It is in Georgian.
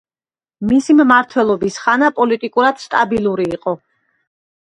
მისი მმართველობის ხანა პოლიტიკურად სტაბილური იყო.